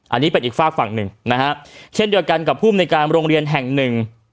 อันนี้เป็นอีกฝากฝั่งหนึ่งนะฮะเช่นเดียวกันกับภูมิในการโรงเรียนแห่งหนึ่ง